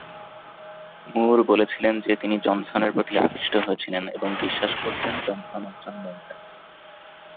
মুর বলেছিলেন যে তিনি জনসনের প্রতি আকৃষ্ট হয়েছিলেন, এবং বিশ্বাস করতেন জনসন একজন মহিলা।